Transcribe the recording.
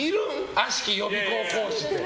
悪しき予備校講師って。